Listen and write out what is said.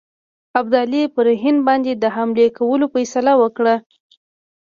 ابدالي پر هند باندي د حملې کولو فیصله وکړه.